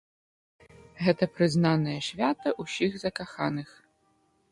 Гэта прызнанае свята ўсіх закаханых.